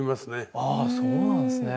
あそうなんですね。